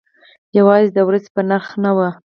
یوازې د ورځې په نرخ نه و.